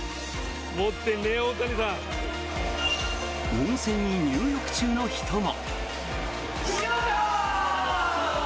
温泉に入浴中の人も。